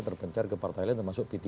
terpencar ke partai lain termasuk p tiga